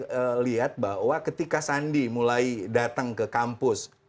saya lihat bahwa ketika sandi mulai datang ke kampus